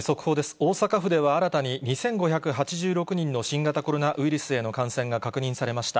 大阪府では新たに２５８６人の新型コロナウイルスへの感染が確認されました。